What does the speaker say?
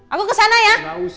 aku kesana ya